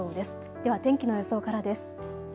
では天気の予想からです。